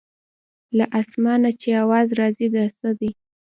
له اسمانه چې اواز راځي د څه دی.